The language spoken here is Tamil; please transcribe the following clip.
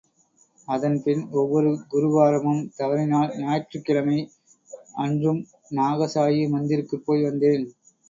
அதன் பின் ஒவ்வொரு குரு வாரமும், தவறினால் ஞாயிற்றுக் கிழமை அன்றும் நாக சாயி மந்திருக்குப்போய் வந்தேன்.